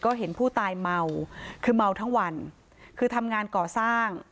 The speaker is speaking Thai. ก็เห็นผู้ตายเมาคือเมาทั้งวันคือทำงานก่อสร้าง